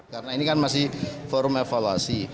karena ini kan masih forum evaluasi